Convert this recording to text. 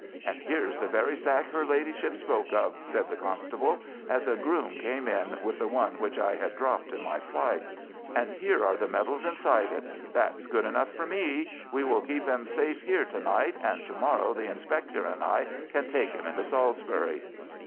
"And here's the very sack her Ladyship spoke of," said the constable, as a groom came in with the one which I had dropped in my flight. "And here are the medals inside it. That's good enough for me. We will keep him safe here to night, and to morrow the inspector and I can take him into Salisbury."